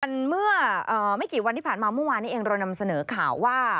เมื่อไม่กี่วันที่ผ่านมาเมื่อวานนี้เองเรานำเสนอข่าวว่า